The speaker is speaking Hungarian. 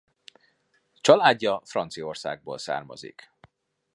Családja Franciaországból származik.